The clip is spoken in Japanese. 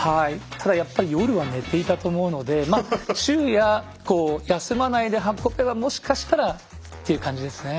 ただやっぱり夜は寝ていたと思うのでまあ昼夜休まないで運べばもしかしたらっていう感じですね。